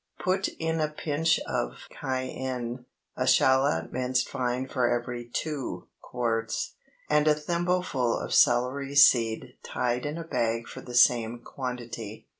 Put in a pinch of cayenne, a shallot minced fine for every two quarts, and a thimbleful of celery seed tied in a bag for the same quantity.